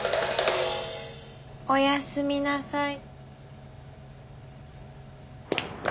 おやすみなさい。